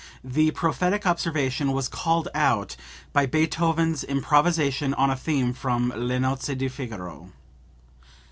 [The prophetic observation was called out by Beethoven's improvisation on a theme from "Le Nozze di Figaro."